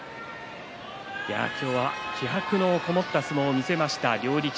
今日は気迫のこもった相撲を見せました。